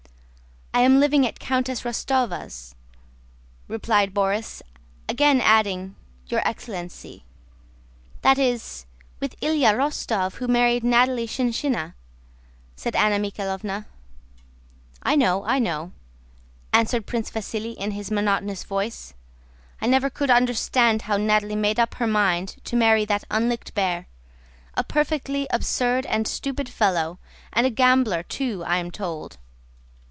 "I am living at Countess Rostóva's," replied Borís, again adding, "your excellency." "That is, with Ilyá Rostóv who married Nataly Shinshiná," said Anna Mikháylovna. "I know, I know," answered Prince Vasíli in his monotonous voice. "I never could understand how Nataly made up her mind to marry that unlicked bear! A perfectly absurd and stupid fellow, and a gambler too, I am told."